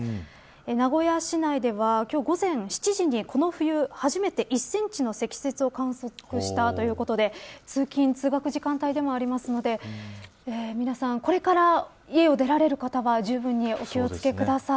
名古屋市内では今日午前７時にこの冬初めて１センチの積雪を観測したということで通勤通学時間帯でもあるので皆さんこれから家を出られる方はじゅうぶんにお気を付けください。